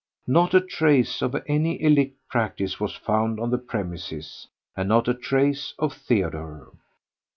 Not a trace of any illicit practice was found on the premises—and not a trace of Theodore.